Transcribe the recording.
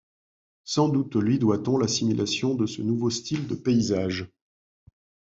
Sans doute lui doit-on l'assimilation de ce nouveau style de paysage.